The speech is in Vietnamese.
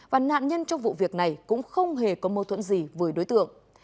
và nạn nhân trong vụ việc này cũng không hề có mâu thuẫn gì với đối tượng